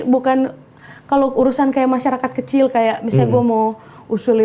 bukan kalau urusan kayak masyarakat kecil kayak misalnya gue mau usulin